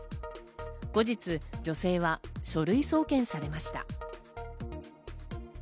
後日、女性は書類送検されました。